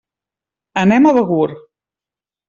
Anem a Begur.